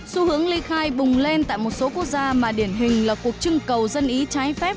xu hướng ly khai bùng lên tại một số quốc gia mà điển hình là cuộc trưng cầu dân ý trái phép